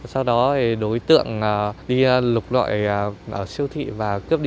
sau đó đối tượng đi lục lọi ở siêu thị và cướp đi